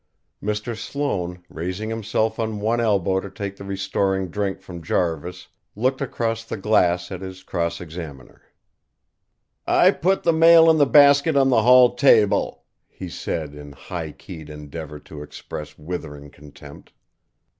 Mr. Sloane, raising himself on one elbow to take the restoring drink from Jarvis, looked across the glass at his cross examiner. "I put the mail in the basket on the hall table," he said in high keyed endeavour to express withering contempt.